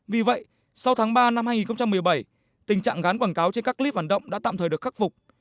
vì vậy sau tháng ba năm hai nghìn một mươi bảy tình trạng gán quảng cáo trên các clip hoạt động đã tạm thời được khắc phục